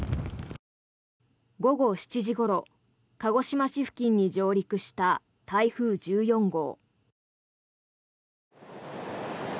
午後７時ごろ、鹿児島市付近に上陸した台風１４号。